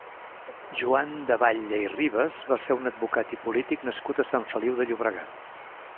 Joan de Batlle i Ribas va ser un advocat i polític nascut a Sant Feliu de Llobregat.